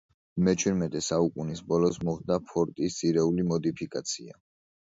მეჩვიდმეტე საუკუნის ბოლოს მოხდა ფორტის ძირეული მოდიფიკაცია.